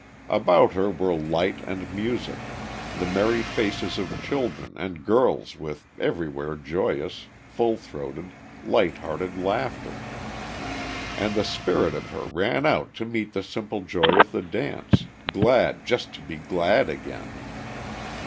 About her were light and music, the merry faces of children and girls with everywhere joyous, full throated, light hearted laughter. And the spirit of her ran out to meet the simple joy of the dance, glad just to be glad again.